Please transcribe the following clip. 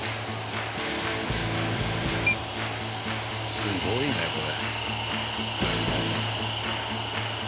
すごいねこれ。